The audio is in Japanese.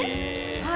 はい。